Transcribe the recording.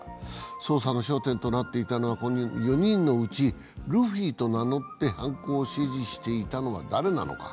捜査の焦点となっていたのはこの４人のうち、ルフィと名乗って、犯行を指示していたのは誰なのか。